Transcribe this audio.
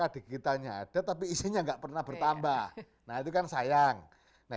dari sisi inklusi keuangan